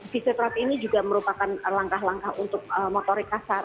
fisioterapi ini juga merupakan langkah langkah untuk motorik kasar